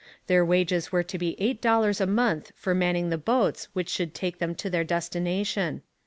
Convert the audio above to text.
Their wages were to be eight dollars a month for manning the boats which should take them to their destination.